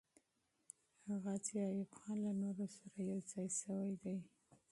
غازي ایوب خان له نورو سره یو ځای سوی دی.